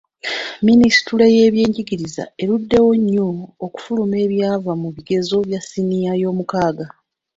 Minisitule y'ebyenjigiriza eruddewo nnyo okufulumya ebyava mu bigezo bya siniya eyomukaaga.